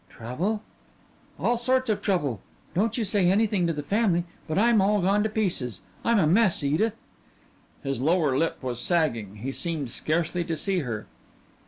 "Trouble?" "All sorts of trouble. Don't you say anything to the family, but I'm all gone to pieces. I'm a mess, Edith." His lower lip was sagging. He seemed scarcely to see her.